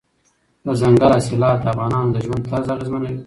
دځنګل حاصلات د افغانانو د ژوند طرز اغېزمنوي.